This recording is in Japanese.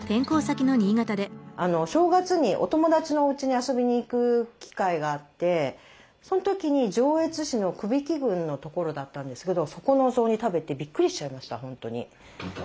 お正月にお友達のおうちに遊びに行く機会があってその時に上越市の頸城郡のところだったんですけどそこのお雑煮食べてびっくりしちゃいました本当に。